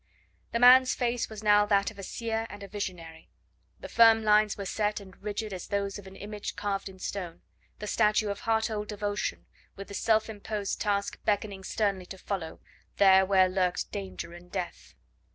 The man's face now was that of a seer and a visionary; the firm lines were set and rigid as those of an image carved in stone the statue of heart whole devotion, with the self imposed task beckoning sternly to follow, there where lurked danger and death.